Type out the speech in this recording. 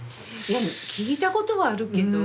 でも聞いたことはあるけど。